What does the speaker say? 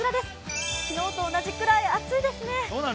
昨日と同じくらい暑いですね。